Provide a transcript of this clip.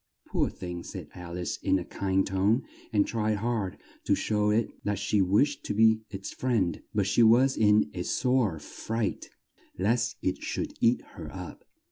"Poor thing!" said Al ice in a kind tone and tried hard to show it that she wished to be its friend, but she was in a sore fright, lest it should eat her up.